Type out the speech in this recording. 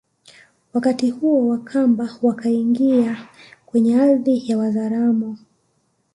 Wakati huo Wakamba wakiingia kwenye ardhi ya Wazaramo